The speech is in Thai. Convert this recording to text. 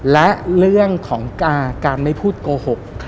และเรื่องของการไม่พูดโกหก